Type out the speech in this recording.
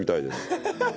ハハハハ！